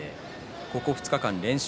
ここ２日間連勝